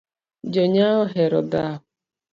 Jonyao ohero dhao